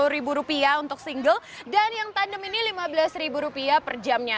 rp sepuluh untuk single dan yang tandem ini lima belas rupiah per jamnya